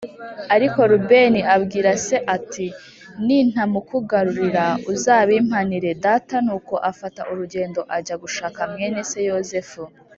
Ariko Rubeni abwira se ati nintamukugarurira uzabimpanire Data nuko afata urugendo ajya gushaka mwene se Yozefu`